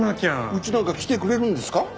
うちなんかに来てくれるんですか？